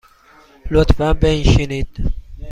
لطفاً بنشینید.